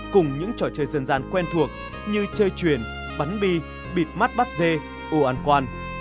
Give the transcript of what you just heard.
cùng những trò chơi dân gian quen thuộc như chơi chuyển bắn bi bịt mắt bắt dê ô ăn quan